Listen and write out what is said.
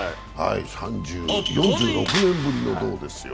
４６年ぶりの銅ですよ。